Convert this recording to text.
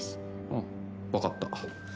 うん、分かった。